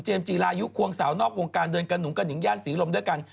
เจมส์จีลายุคควงสาวนอกวงการเดินกระหนูกระหนิงย่านสีลมด้วยกัน